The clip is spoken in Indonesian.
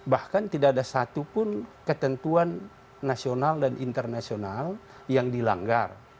bahkan tidak ada satupun ketentuan nasional dan internasional yang dilanggar